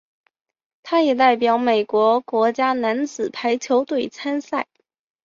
他也代表美国国家男子排球队参赛。